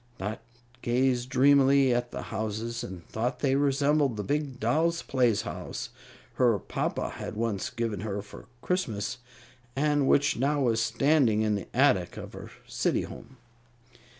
Dot gazed dreamily at the houses and thought they resembled the big doll's playhouse her papa had once given her for Christmas, and which now was standing in the attic of her city home.